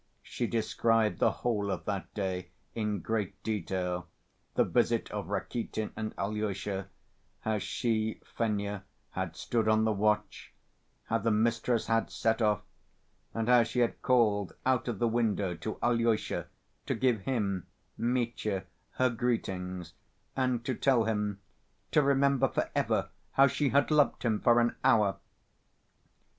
She described the whole of that day, in great detail, the visit of Rakitin and Alyosha, how she, Fenya, had stood on the watch, how the mistress had set off, and how she had called out of the window to Alyosha to give him, Mitya, her greetings, and to tell him "to remember for ever how she had loved him for an hour."